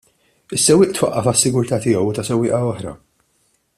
Is-sewwieq twaqqaf għas-sigurta' tiegħu u ta' sewwieqa oħra.